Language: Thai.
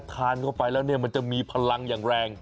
ทานเข้าไปแล้วเนี่ยมันจะมีพลังอย่างแรง